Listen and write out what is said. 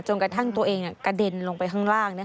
กระทั่งตัวเองกระเด็นลงไปข้างล่าง